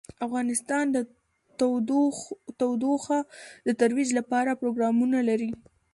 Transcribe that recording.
افغانستان د تودوخه د ترویج لپاره پروګرامونه لري.